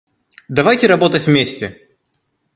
Давайте работать вместе.